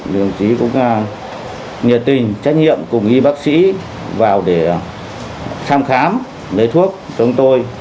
đồng chí cũng nhiệt tình trách nhiệm cùng ghi bác sĩ vào để tham khám lấy thuốc cho chúng tôi